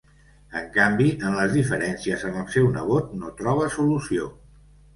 En canvi, en les diferències amb el seu nebot no troba solució.